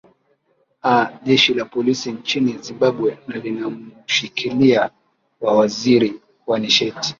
aa jeshi la polisi nchini zimbabwe na linamushililia wa waziri wa nisheti